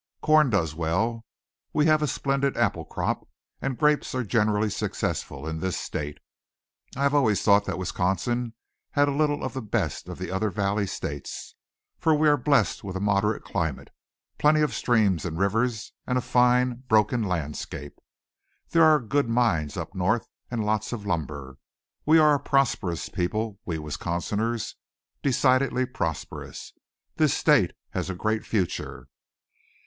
Corn does well. We have a splendid apple crop and grapes are generally successful in this state. I have always thought that Wisconsin had a little the best of the other valley states, for we are blessed with a moderate climate, plenty of streams and rivers and a fine, broken landscape. There are good mines up north and lots of lumber. We are a prosperous people, we Wisconsiners, decidedly prosperous. This state has a great future."